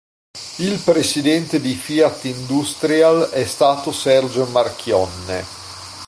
Il presidente di Fiat Industrial è stato Sergio Marchionne.